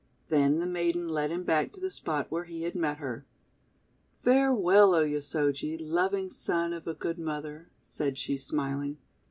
Then the maiden led him back to the spot where he had met her. "Farewell, O Yosoji, loving son of a good mother," said she, smiling.